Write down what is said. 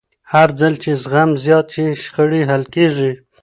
هرځل چې زغم زیات شي، شخړې حل کېږي.